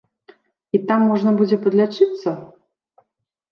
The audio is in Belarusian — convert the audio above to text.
І там можна будзе падлячыцца?